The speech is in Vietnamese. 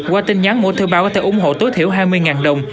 qua tin nhắn mỗi thư báo có thể ủng hộ tối thiểu hai mươi đồng